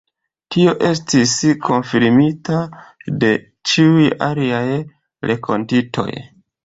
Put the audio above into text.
Tio estis konfirmita de ĉiuj aliaj renkontitoj.